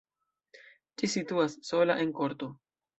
Ĝi situas sola en korto.